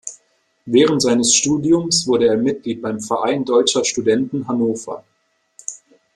Während seines Studiums wurde er Mitglied beim "Verein Deutscher Studenten Hannover".